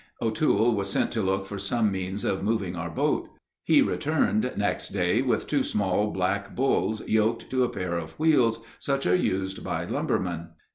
O'Toole was sent to look for some means of moving our boat. He returned next day with two small black bulls yoked to a pair of wheels such as are used by lumbermen.